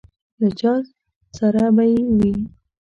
له چا سره به یې وي.